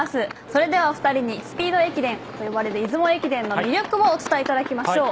それではお二人にスピード駅伝と呼ばれる出雲駅伝の魅力をお伝えいただきましょう。